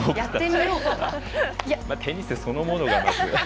テニスそのものが。